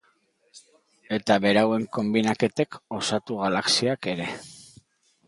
Eta berauen konbinaketek osatu galaxiak ere.